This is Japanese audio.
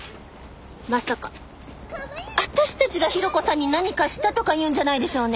まさか私たちが広子さんに何かしたとか言うんじゃないでしょうね？